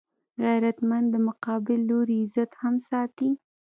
غیرتمند د مقابل لوري عزت هم ساتي